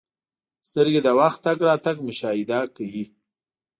• سترګې د وخت تګ راتګ مشاهده کوي.